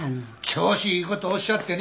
調子いいことおっしゃってね。